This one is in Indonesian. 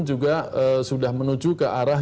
juga sudah menuju ke arah